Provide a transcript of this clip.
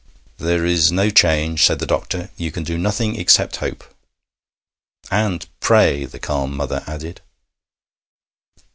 'There is no change,' said the doctor. 'You can do nothing except hope.' 'And pray,' the calm mother added.